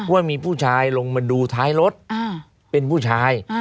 ว่ามีผู้ชายลงมาดูท้ายรถเป็นผู้ชาย